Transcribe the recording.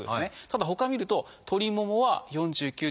ただほかを見ると鳥ももは４９．１ｍｇ。